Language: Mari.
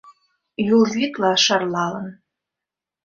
Юл вӱдла шарлалын